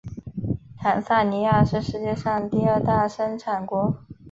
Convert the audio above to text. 坦桑尼亚是世界上第二大生产国。